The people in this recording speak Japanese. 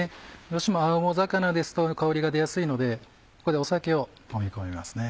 どうしても青魚ですと香りが出やすいのでここで酒をもみ込みますね。